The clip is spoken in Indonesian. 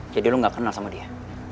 jadi lo gak kenal sama dia